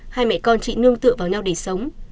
hai mẹ con chị nương tựa vào nhau để sống